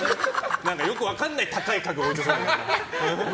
よく分からない高い家具を置いてそう。